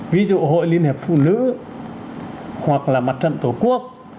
ví dụ hội liên hiệp phụ nữ hoặc là mặt trận tổ quốc